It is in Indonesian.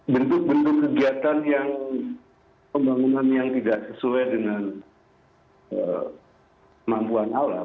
bentuk bentuk kegiatan yang pembangunan yang tidak sesuai dengan kemampuan alam